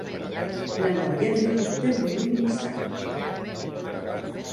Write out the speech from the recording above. La noia no dubta ni un instant.